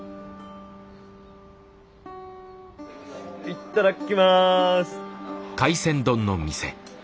いっただきます。